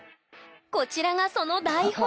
こちらがその台本！